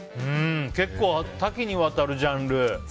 結構、多岐にわたるジャンル。